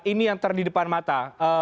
ini yang terdiri di depan mata